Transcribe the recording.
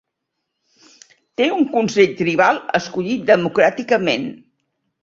Té un consell tribal escollit democràticament.